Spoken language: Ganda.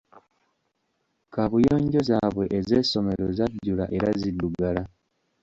Kaabuyonjo zaabwe ez'essomero zajjula era ziddugala.